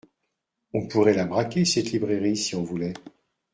On pourrait la braquer, cette librairie, si on voulait.